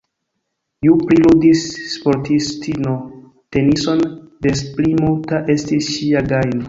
Ju pli ludis sportistino tenison, des pli multa estis ŝia gajno.